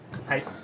はい。